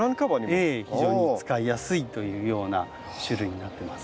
ええ非常に使いやすいというような種類になってます。